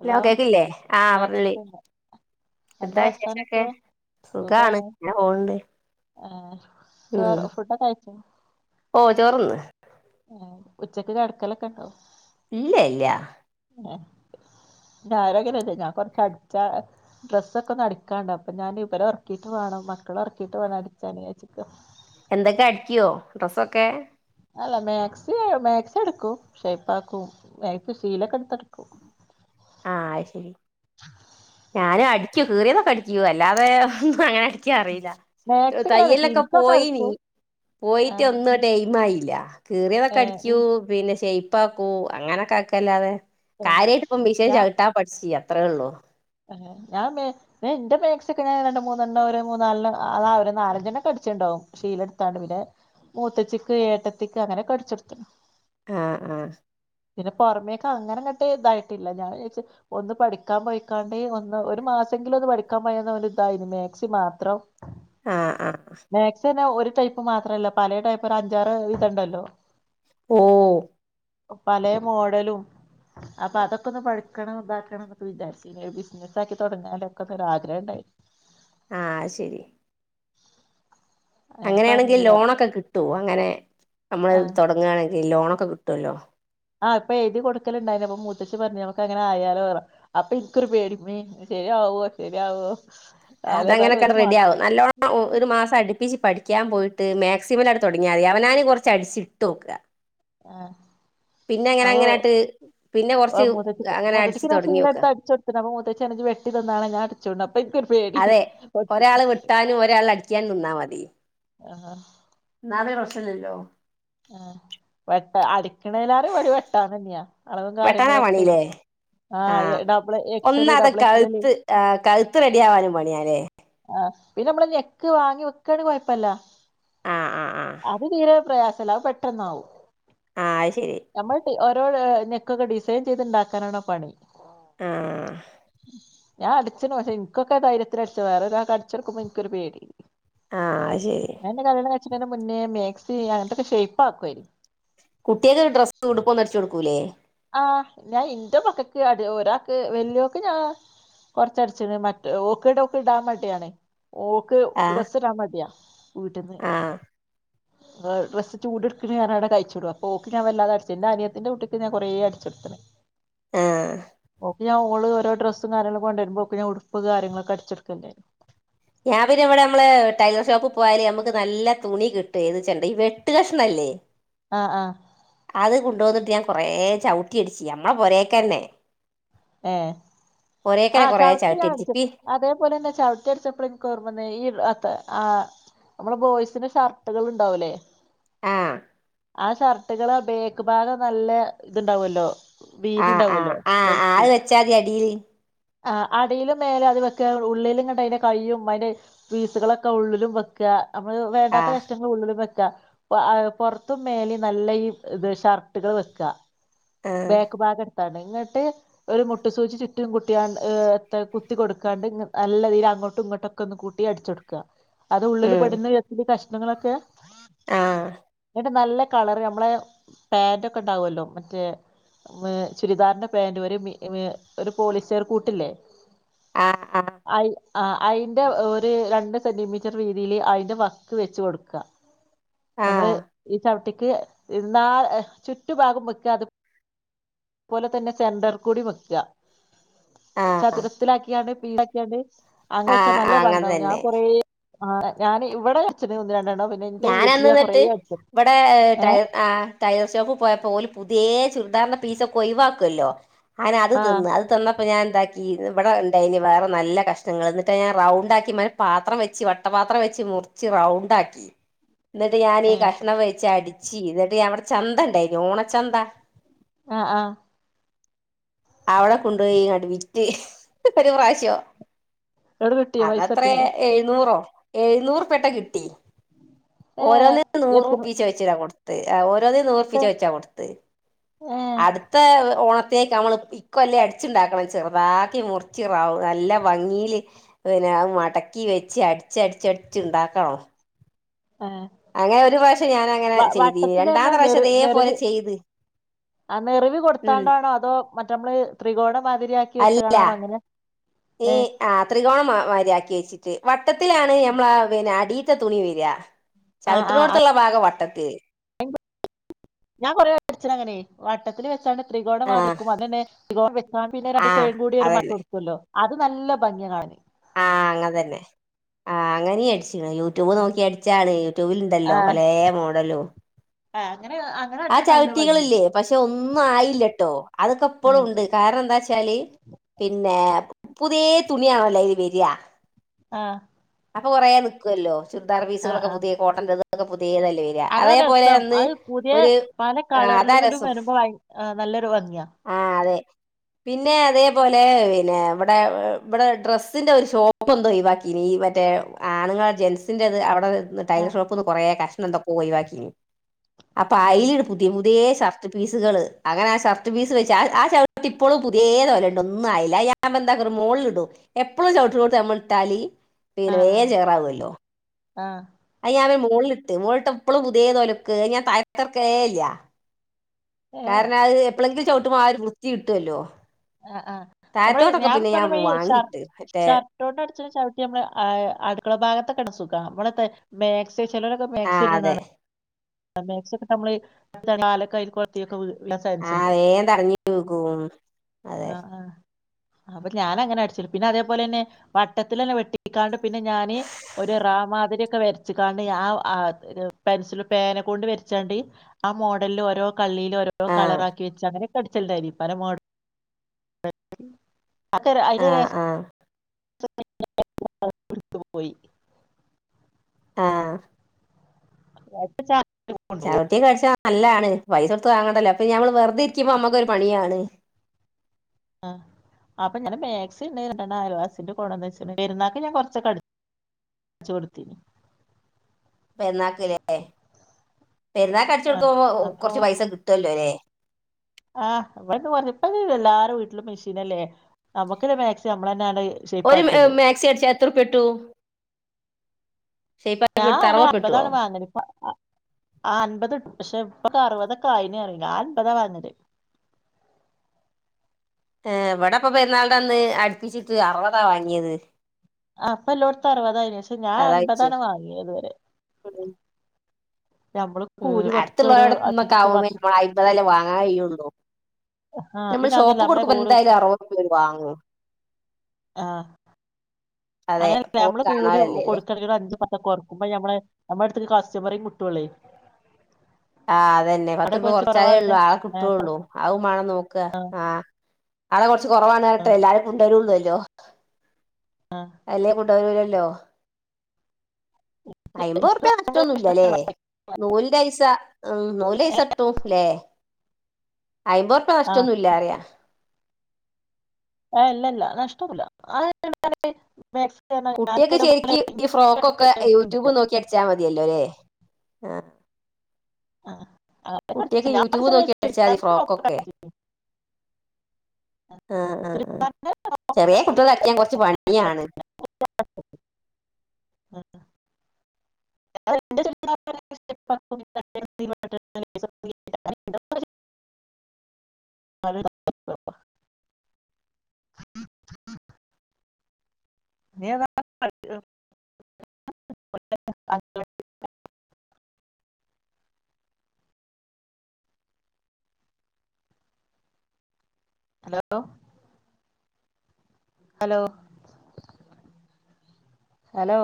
Hello ലോ കേക്ക്‌ല്ലേ ആ പറഞ്ഞോളി എന്താ വിശേഷൊക്കെ സുഖാണ് ങ്ങനെ പോണ്ട് ആഹ് ഉം ഓ ചോറ്ന്ന് ആ ഉച്ചക്ക് കെടക്കലൊക്കെണ്ടോ ഇല്ല ല്ല ഞാനങ്ങനല്ല ഞാൻ കൊറച്ചടിച്ച ഡ്രെസ്സൊക്കെ ഒന്ന് അടിക്കാണ്ട് അപ്പൊ ഞാൻ ഇവരെ ഉറക്കിയിട്ട് വേണം മക്കള ഉറക്കിയിട്ട് വേണം അടിച്ചാനിക്ക എന്തൊക്കെ അടിക്കോ ഡ്രസ്സൊക്കെ അല്ല മാക്സി മാക്സി അടിക്കും ഷേപ്പാക്കും [unintelligible] എടുത്തടിക്കും ആഹ് ശരി ഞാനും അടിക്കും കീറിയതൊക്കെ അടിക്കും അല്ലാതെ ഒന്നും അങ്ങനെ എനിക്കറിയില്ല മാക്സി ഇങ്ങനെ അടിക്കും തയ്യലൊക്കെ ഇൻക്കൊക്കെ പോയിനി അടിക്കും ആ പോയിട്ടൊന്നും ടൈം ആയില്ല കീറിയതൊക്കെ ഏ അടിക്കു ഇൻ പിന്നെ ഷേ പ്പാക്കൂ അങ്ങനൊക്കെ ആക്കല്ലാതെ ആഹ് കാര്യായിട്ട് ഇപ്പം മിഷൻ ചവിട്ടാൻ പഠിച്ചത് ച്ചി അത്രേ ഉള്ളൂ ഞാ ൻ്റെ എന്റെ മാക്സിക്കെ ഞാൻ രണ്ട് മൂന്നെണ്ണം ഒരു മൂന്നാലെണ്ണം ആഹ് ഒരു നാലഞ്ചെണ്ണം അടിച്ചിണ്ടാവും ക്ഷീലെടുത്താണ്ട് പിന്നെ മൂത്തച്ചിക്ക് ഏട്ടത്തിക്ക് അങ്ങനെ അടിച്ചെടുത്ത് ആഹ് ആഹ് പിന്ന പുറമേക്ക അങ്ങനെങ്ങട്ട് ഇതായിട്ടില്ല ഞാൻ ന്ന്ച്ച ഒന്ന് പഠിക്കാൻ പോയി ക്കാണ്ട് ഒന്ന് ഒരു മാസെങ്കിലും ഒന്ന് പഠിക്കാൻ പോയാന്ന ഇതാരുന്നു മാക്സി മാത്രം ആഹ് ആഹ് മാക്സി തന്നെ ഒരു ടൈപ്പ് മാത്രല്ല പലയ ടൈപ്പ് ഒരു അഞ്ചാറ് ഇതുണ്ടല്ലോ ഓഹ് പല മോഡലും അപ്പൊ അതൊക്കെ ഒന്ന് പഠിക്കണം ഇതാക്കണം എന്നൊക്കെ വിചാരിച്ച് പിന്നെ ഒരു ബിസിനസ്സാക്കി തുടങ്ങിയാലൊക്കെ ഒരാഗ്രഹം ഉണ്ടായിരുന്നു ആഹ് ശരി അങ്ങനെ അങ്ങനെയാണെങ്കിൽ പറഞ്ഞീനി ലോണൊക്കെ കിട്ടുവോ അങ്ങനെ നമ്മള് ആഹ് തുടങ്ങവാണെങ്കിൽ ലോണ ഒക്കെ കിട്ടുല്ലോ ആഹ്ഇപ്പൊ എഴുതി കൊടുക്കലുണ്ടായിന്പ്പൊ മുത്തശിപറഞ്ഞ് നമ്മുക്ക് അങ്ങനെ ആയാലോ വറ അപ്പൊ എനിക്കൊരു പേടിമേ ശരിയാവോ ശരിയാവോ അത് അതിലേതായാലും അങ്ങനൊക്കെ ഒരു റെഡി മാസം ആകും നല്ലോണം ഒരു മാസം അടുപ്പിച്ച് പഠിക്കാൻ പോയിട്ട് മാക്സിമം തുടങ്ങിയാ മതി അവനാന് കുറച്ച് അടിച്ച് ഇട്ട് നോക്കുക ആഹ് പിന്നെ അങ്ങനെ അപ്പൊ അങ്ങനൊയിട്ട് പിന്നെ കൊറച്ച് ആഹ് മൂത്തച്ചിക്ക് അങ്ങനെ അടിച്ചു മൂത്തച്ചിക്ക് ഞാൻ തൊടങ്ങിനോക്കൂക. ശീലെടുത്ത് അടിച്ചു കൊടുത്ത്ണ് അപ്പൊ മൂത്തച്ചി വെട്ടി തന്നാണ് ഞാൻടിച്ചോളും അതെ ഒരാള് വിട്ടാനും ഒരാൾ അടിക്കാനും നിന്നാ മതി. ആഹ് ഒന്നമതെ പ്രശ്നല്ലില്ലോ ആ വെട്ട് അടി കെണേലാറ് വടി വെട്ടാ തന്നെയാ അളവും വെട്ടാനാ കാര്യങ്ങളൊക്കെ പണില്ലേ ആ ആഹ ഡബിൾ എക്സ് എല് ഒന്നാത് ഡബിൾ എക്സ്ല്എല് കഴുത്ത് ആ കഴുത്ത് റെഡിയാവാനും പണിയാല്ലേ ആ പിന്നെ നമ്മള നഞെക്ക് വാങ്ങി വെക്കാണ് കുഴപ്പില്ല ആ ആ ആ അത് തീരെ പ്രയാസം ചില പെട്ടെന്നാവും ആ അത് ശരി [unintelligible] നോട് നെക്കൊക്കെ ഡിസൈൻ ചെയ്തുണ്ടാക്കാനാണോ പണി ആ ഞാൻ അടിച്ചു പക്ഷേെനൊക്കെ ധൈര്യട്ട വേറെത ആ കടിച്ചെടുക്കുമ്പോ എനിക്കരു പേടി ആ ശരി അ മുന്നേ മേക്സി അങ്ങനത്തൊക്കെ ഷേപ്പ ആക്കുമായിരി കുട്ടികക്ക് ഡ്രസ്സ് കൊടുപ്പന്ന് അരച്ചു കൊടുക്കൂല്ലേ ആ് ഞാൻ എന്റെ പക്കക്ക് അടി ഒരാൾക്ക് വല്യോക്ക് ഞാൻ കൊറച്ചടിച്ചി മറ്റ ക്കെ ഇടക്കെ ഇടാൻ വേണ്ടിയാണ് ഓക്ക് ആഹ് ഡ്രസ്സ്‌ ഇടാൻ മടിയ വീട്ടന്ന് ആഹ് ഡ്രസ്സ് ചൂടടുക്കനാണ് അഴിച്ചോടു അപ്പോ ഓക്ക ഞാൻ വല്ലതെ അടച്ച എന്റെ അനിയത്തിന്റെ കുട്ടിക്ക്ഞാൻ കുറെേ അടിച്ചടുത്തന ആ ഞാ ഓള് ഓോ്രസ്സും കാര്ങ്ങളൊക്ക കൊണ്ട വരുമ്പോ ഒക്ക ഞ ഉടുപ്പ് കാര്ങ്ങളൊക്കെ അടിച്ചെടുക്കണ്ടായിരുന്നു ഞാൻ പിന്ന ഇവിടെ നമ്മള് ടൈലർ ഷോപ്പ് പോയല്ഞമ്മുക്ക് നല്ല തുണി കിട്ടു എന്ന് വച്ചണ്ടേ ഈ വെട്ട കഷ്ണംല്ലേ ആഹ് ആഹ് അത് കൊണ്ടപോന്നട്ട് ഞൻ കൊറ ചവിട്ടി അടിച്ചു നമ്മളെ പുരേക്ക തന്നെ ഏ ആ കൊറേ ചവിട്ടി ചവിട്ടിയ അടിച്ച് അടിച്ച പി അതേപോലെ തന്നെ ചവിട്ടി അടിച്ചപ്പോഴെ ർമ്മ ഈ അ ആ നമ്മെ ബോയ്സിന് ഷർട്ടുകൾ ഉണ്ടാവല്ലേ ആഹ ആ ഷർട്ടുകളെ ബേക്ക് ഭാഗം നല്ല ഇതുണ്ടാവുമല്ലോ വീതിണ്ടാവുമല്ലോ ആൾ വെച്ചാതി അടിയിൽ ആ അടിയിലും മേലെ അത് വെക്ക ഉള്ളിലും കണ്ട അതിന്റെ കയും അതിന്റെ പീസുകളൊക്കെ ഉള്ളിലും വെക്കുക നമ്മള് വേണ്ടാത്ത ആഹ് കഷ്ടങ്ങൾ ഉള്ളിൽ പൊറത്തും മേല നല്ല ഈ ഇത് ഷർട്ടുകൾ വെക്കുക ആഹ് ബേക്കബാഗ തണങ്ങട്ട് ഒരു മുട്ടു സൂച്ച്ി ചുറ്റും കുട്ടിയ കുത്തി കൊടുക്കാണ്ട് നല്ല രീതിയിൽ അങ്ങോട്ടും ഇങ്ങോട്ടുംൊക്കെ ഒന്ന് കൂട്ടി അടിച്ച കൊടുക്കുക അത് ഉള്ളിൽ പെടുന്നത്തി കഷ്ടം കുത്രങ്ങളൊക്കെയ ആഹ കളർ നമ്മളെ പാൻറ് ഒക്കെ ഉണ്ടാാവുമല്ലോ മറ്റേ ചുരിദാറിൻ്ന്റെ പാാന്റ് വരെ ഇ ഒരു പോലീസ്ുകാർ കൂട്ടില്ലേ ആഹ ആഹ് ആ അതിറെ ഒരു രണ്ട് സെന്റിമീറ്റർ രീതിയില് അതിറെ വക്ക് വെച്ച് കൊടുക്കുക നമ്മള് ആഹ് ഈ ചവിട്ടി ാ ചുറ്റുപാഗുമ്പക്ക അത് അപോലെ തന്നെ സെന്റർ കുടിമക് ആഹ് ചതുരത്തിലാക്കിയാണ് പിക്കെ അങ്ങ വെച്ചാ നല്ല ആഹ് അങ്ങനെ പണ്ടാവും ഞാൻ തന്നെ കൊറ ആ ഞാൻ ഇവിടെ അച്ഛന് ഒന്നി രണ്ടണ്ണം ഞാൻന്ന്ന്നിട്ട് ഇവിടെട ഏഹ് ആ ടയർ ോക്ക് പോയപ്പോല പുതിയ ചുറദാർണ പീസ കൊയി വക്കല്ലോ അങ്ങന അത് ആഹ് തിന്നന്ന് അത് തൊന്ന അപ്പൊ ഞാൻ എന്താക്കി ഇവിടെ ഇണ്ടായിന് വേറെ നല്ല കഷ്ണങ്ങൾ എന്നിട്ട് ഞാൻ റൗണ്ട് ആാക്കി പാത്രം വെച്ച് വട്ടപാത്രം വെച്ച് മുറിിച്ചച്ച് റൗണ്ട ആാക്കി എന്നിട്ട് ഞാൻീഈ ഏഹ് കഷ്ണം വഴിച്ച അടിിച്ചു ചീ ഇതട്ട അവിടെ ചന്ത ഉണ്ടായിരുന്നു ഓണച്ചന്ത ആഹ ആഹ അവിടെ കൊണ്ടുപോയി കടിവിറ്റ് പ്രാവശ്യോ ഇങ്ങട്ട് കിട്ടിയോ പൈസ അന്നത്ര കിട്ടിയോ എഴുന്നൂറോ എഴനൂറ് പേട്ട കിട്ടി ഏഹ് ഓരോന്നിനും നൂറ് എത്ര പീച്ച് വെച്ചിത കൊടുത്ത [unintelligible] തോർപ്പിച്ച വെച്ചാ കൊടുത്ത് ഏഹ് അടുത്ത ഓണ അത്തേക്ക് നമ്മള് ഇക്കല്ലേ അടിച്ചുണ്ടാക്കണം ചെറുതാക്കി മുറിച്ചിറാവും നല്ല ഭംഗിയില് പിന്നെ മടക്കി വെച്ച് അടിച്ചടിച്ചടിച്ചുണ്ടാക്കണം ഏഹ് അങ്ങനെ ഒരു പ്രാവശ്യം ഞാന അങ്ങനെ വ ചെയ്ത് വട്ടത്തിലർഞ്ഞാ രണ്ടാത്തെ നെറ് പ്രാവശതേ പോലെ നെറിവ് ചെയ്ത് ആഹ് നെറിവ് ഉം കൊടുത്താണ്ടാണോ അതോ മറ്റേ നമ്മള് ത്രികോണ അല്ല തീ ഏഹ് ആ ത്രികോണം മാരിയാക്കി വച്ചിട്ട് വട്ട് വട്ടത്തിലാണ് ഞമ്മള പിന്നെ അടി തുണിവ വീരാ ആഹ് ആഹ് ചകട്ടിനോടുത്തുള്ള ഭാഗം വട്ടത്ത് അ ഞാൻ കൊറെ പടിച്ചന അങ്ങനെ വാട്ടത്തില് വെച്ചാണ്ട് ത്രികോണ ആഹ് ആതെക്കും അത്തന്നെ ത്രികോടെ വെക്കാൻ പിന്നെ രണ്ട് ആഹ് സൈഡ് കൂടി ഒരു മട്ട അതന്നെ കൊടുക്കല്ലോ അത് നല്ല ഭംഗി കാണ ആഹ അങ്ങനെ തന്നെ ആഹ അങ്ങനെയടിച്ച യൂട്യൂബ് നോക്കി അടിച്ചാണ് യൂട്യൂബിൽ ഇണ്ടല്ലോ പലേ മോഡലും ആഹ ആ ചവിറ്റികളല്ലേ പക്ഷെ ഒന്നും ആയില്ലട്ടോ അതൊക്കെ എപ്പോഴും ഉണ്ട് ആഹ് കാരണം എന്താ വച്ചാല് പിന്നെ പുതിയേ തുണിയാണല്ല ഇത് വരിയാ ആഹ അപ്പൊ കൊറയാ നിൽക്കുവല്ലോ ചുരിദാർ ആഹ് പീസുകളൊക്കെ ആഹ് പുതിയ കോട്ടന്റെ ഇതൊക്കെ പുതിയതല്ലേ വരിക അതാ അതേപോലെ രസം അന്ന് അത് പുതിയ ഒരു പല അതാ കളറിലുകളും രസം വരുമ്പോ ഭയ ആ, നല്ലൊരു ഭംഗിയാ ആഹ അതെ പിന്നെ അതേപോലെ പിന്നെ ഇവിടെ ഇവിടെ ഡ്രസ്സിന്റെ ഒരു ഷോപ്പ് എന്തോ ഈ ബാക്കിറ്റ മറ്റേ ആണുങ്ങൾ ജെൻസിൻന്റെറത് അവിടെ ടൈർ ആഹ് ഷോപ്പ്ന്ന് കുറേ കഷ്ടം ന്ത ക ക അപ്പൊ ആഹ് അയിലട് പുതിയ പുതിയേ ഷർട്ട് പീസുകള് അങ്ങനെ ആ ഷർട്ട് പീസ് വെച്ച് ആ ആ ചവിട്ട് ഇപ്പപ്പോഴും പുതിയ തോലുണ്ട് ഒന്നും ആയില്ല ഞാൻ എന്താക്ക മോുകളിൽ ഇടും എപ്പോഴും ചവിട്ടിോട്ട തമ്മിട്ടാല് പിന്നെ വേ ചേറാവല്ലോ ആഹ ഞൻ മുകളിലിട്ട് മുകളിട്ട് എപ്പളും പുതിയ തോലക്ക് ഞാൻ താരക്കർക്ക കേല്ല ഏഹ് കാരണം അത് എപ്പോഴെങ്കിലും ചവിട്ടമാര് വൃത്തി കിട്ടുവല്ലോ ആ ആ് നമ്മള് ഞാൻ പറഞ്ഞ വാങ്ങിയിട്ട് മറ്റേ ഈഷർട്ടോന്റെ അടുത്ത ചവിട്ടി നമ്മള് അടുക്കള ഭാഗത്ത സുഖള മക് ചിലരൊക്കെ ആ മാാക്സി അതെ ഇടാണ് മേ ഒക്കെ നമ്മള്ാലക്കയിൽ കൊളത്തിയൊക്കെ വീഴാൻ ചാൻസ് ആതേൻ തടഞ്ഞ വോക്കും ആഹ ആഹ അപ്പൊ ഞാാന അങ്ങനെ അടിച്ച പിന്നെ അതേപോലെ തന്നെ വട്ടത്തിന്നെ വെട്ടിക്കാണ്ട് പിന്നെ ഞാാന് ഒരു റാ മാതിരിയൊക്കെ വരച്ചാണ്ട് ആ ആ പെൻസില് പേനക്കെ കൊണ്ട് വരച്ചാണ്ട് ആ മോഡലില് ഓരോ കള്ളിയിൽ ഓരോ ആ കളറക്കി വെച്ചങ്ങനെ അടിച്ചിട്ടായിരിക്കും പല അ അക്ക ആ അ ആ പോയി ആഹ ച ചവിട്ട കിച്ച നല്ലാണ് പൈസ എടുത്ത് വാങ്ങണ്ടല്ല അപ്പ ഞമ്മൾ വേ അ ഇരിക്കുമ്പൾ നമ്മുക്ക ഒരുരു പണിയാണ് ആഹ അപ്പൊ ഞാൻ മാക്സി ഇണ്ട ആാലുവാസിന്റെ കുണംന്ന് വെച്ച പരുന്നാക്ക്ി ഞാൻ കൊറച്ചൊക്കട അട കൊടുത്ത പിന്നാക്കില്ലേ പെരുന്നാ അഴച്ച ആഹ് കൊടുക്കുമ്പോ അപ്പൊ കുറച്ച് പൈസ കിട്ടുമല്ലോ അല്ലേ ആഹ് ഇവിടെന്ന് പറഞ്ഞപ്പ എല്ലാരും വീട്ടിലും മെഷീൻല്ലേ നമ്മുക്കി മാക്സിം നമ്മള ഒരു മാക്സി അടിച്ച എത്രൂപ ഇട്ടു ഞാൻ അവിടെ ഉറുപ്യ കിട്ടുവോ അൻപതാണ് വാങ്ങത് ഇപ്പ ആ അൻപത് പക്ഷെ ഇപ്പൊെ അറുപതൊ കായന് ഇറങ്ങ അൻപതാ വാഞ്ഞത്േ ഏർ എവിടെപ്പ പെരുന്നാൾുടെ അന്ന് അടുപ്പിച്ചിട്ട് അറുപതാ വാങ്ങിയത് അപ്പൊ എല്ലോടത്ത അറുപതായിന് ശേഷം ഞാൻ അതാ ചോയിച്ചേ അൻപതാണ് വാങ്ങിയതുവരെ ഉം അടുത്തുള്ളട നിന്നൊക്കെ അഞ്ചുറുപ്യ ആക്പേ പത്തുറുപ്യ നമ്മൾ അമ്പതായാലേ വാങ്ങാൻ കയിയുള്ളൂ ആ നമ്മൾ പിന്നെ അതുല്ല ഷോപ്പ് നമ്മളെ കൊടുക്കുമ്പോ പോള് എന്തായാലും അറുപ രൂപര് വാങ്ങൂ അങ്ങനെല്ല നമ്മള് കൂല കൊടുക്കട അഞ്ച് കൊറക്കുമ്പ മ്മെ നമ്മുടെ അടുേക്ക് കാശചമറ മുട്ടുവള്ളേ ആ അതന്നെ പത്തർപ്യ കൊറച്ചാലേ ള്ളു കൊറവാണ് ആളെ കിട്ടുള്ളൂ അതും വാണം നോക്ക ആഹ് [unintelligible] ച്ച് കൊറവാണേട്ട് എല്ലാര്ക്കും [unintelligible] ല്ലോ അല്ലേ കു തരൂലല്ലോ അയമ്പത് റുപ്യ നഷ്ടൊന്നുല്ല്യലേ നൂലിൻ്റെയ്സ ഉം നൂലൈസട്ടും ലേ അയ്മ്പോർപ്പ്യ ആ നഷ്ടൊന്നും ഇല്യാറ്യാ ഏ ഇല്ലല്ല നഷ്ടൊന്നുല്ല [unintelligible] കുട്ടിയേക്ക് ശെരിക്ക് ഈ ഫ്രോക്കൊക്കെ യൂട്യൂബ് നോക്കി അടിച്ചാ മതിയല്ലോ ലേ ആ ആഹ് കുട്ടിയേക്ക് യൂട്യൂബ് നോക്കി അടിച്ചാ മതി ഫ്രോക്കൊക്കെ ആഹ് ആഹ് ആഹ് ചെറ്യേ കുട്ടികളെ അടിക്കാൻ കൊറച്ച് പണിയാണ് ആ [unintelligible] [unintelligible] [unintelligible] ഹലോ ഹലോ ഹലോ